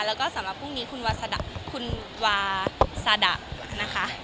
แล้วก็สำหรับพวกมีคุณวาสัตดาคุณวาสัตดานะคะ